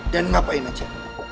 dan ngapain aja